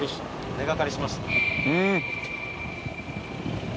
うん。